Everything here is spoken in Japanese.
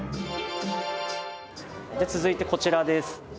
続いてこちらです。